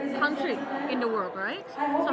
seperti negara di dunia kan